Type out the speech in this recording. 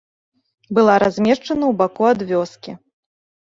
Была размешчана ў баку ад вёскі.